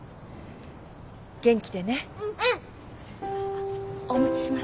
あっお持ちします。